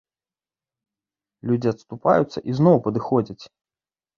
Людзі адступаюцца і зноў падыходзяць.